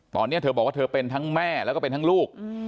ตอนนี้เธอบอกว่าเธอเป็นทั้งแม่แล้วก็เป็นทั้งลูก